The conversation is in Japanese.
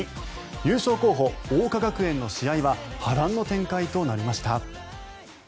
優勝候補、桜花学園の試合は波乱の展開となりました。